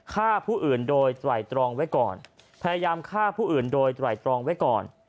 ฆ่าผู้อื่นโดยไตรตรองไว้ก่อนพยายามฆ่าผู้อื่นโดยไตรตรองไว้ก่อน